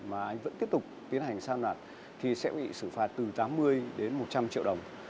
và vẫn tiếp tục tiến hành san nạp thì sẽ bị xử phạt từ tám mươi đến một trăm linh triệu đồng